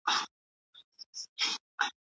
ارمان کاکا د زردالو ونې خوښوي.